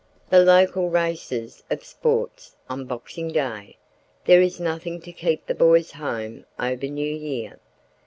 The local races or "sports" on Boxing Day. There is nothing to keep the boys home over New Year.